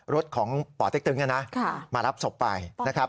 รถของป่อเต็กตึงมารับศพไปนะครับ